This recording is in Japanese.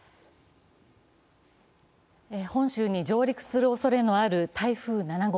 本州に上陸するおそれのある台風７号。